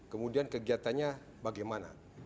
kemudian kegiatannya bagaimana